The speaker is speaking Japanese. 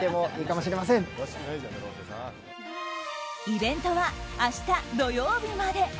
イベントは明日土曜日まで。